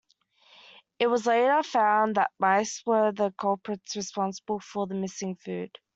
It was later found that mice were the culprits responsible for the missing food.